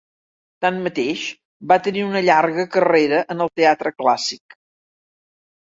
Tanmateix, va tenir una llarga carrera en el teatre clàssic.